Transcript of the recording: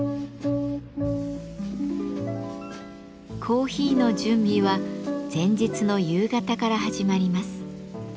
コーヒーの準備は前日の夕方から始まります。